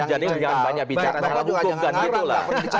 jadi jangan banyak bicara